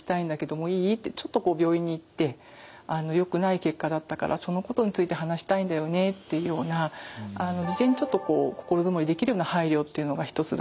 ちょっと病院に行ってよくない結果だったからそのことについて話したいんだよね」っていうような事前にちょっと心づもりできるような配慮っていうのが一つだと思いますね。